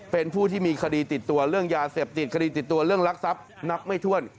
เป็นผู้ที่มีคดีติดตัวเรื่องยาเสพติดคดีติดตัวเรื่องรักทรัพย์นับไม่ถ้วน